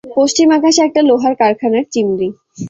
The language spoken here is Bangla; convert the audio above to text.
পশ্চিম-আকাশে একটা লোহার কারখানার চিমনি।